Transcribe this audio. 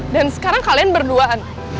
dan sekarang kalian berduaan